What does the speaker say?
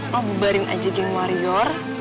lo bubarin aja geng warrior